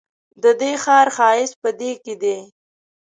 ددې ښار ښایست په دې کې دی.